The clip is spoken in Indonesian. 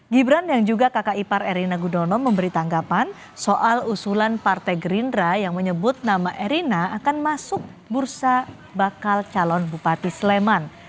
gibran yang juga kakak ipar erina gudono memberi tanggapan soal usulan partai gerindra yang menyebut nama erina akan masuk bursa bakal calon bupati sleman